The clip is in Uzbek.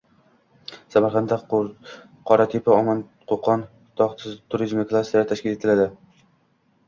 Samarqandda Qoratepa-Omonqo‘ton tog‘ turizmi klasteri tashkil etiladi